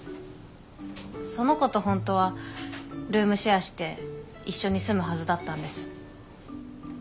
その子と本当はルームシェアして一緒に住むはずだったんです。